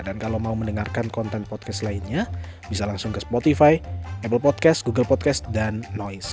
dan kalau mau mendengarkan konten podcast lainnya bisa langsung ke spotify apple podcast google podcast dan noise